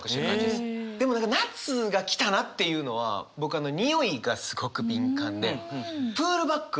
でも何か夏が来たなっていうのは僕においがすごく敏感で。